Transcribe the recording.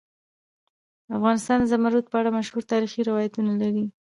افغانستان د زمرد په اړه مشهور تاریخی روایتونه لري.